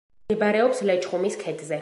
მდებარეობს ლეჩხუმის ქედზე.